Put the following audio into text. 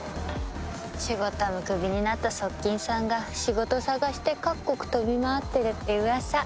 シュゴッダムクビになった側近さんが仕事探して各国飛び回ってるって噂